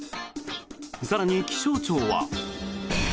更に、気象庁は。